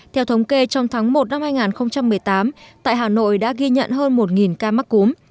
theo thống kê trong tháng một năm hai nghìn một mươi tám tại hà nội đã ghi nhận hơn một ca mắc cúm